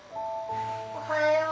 おはよう。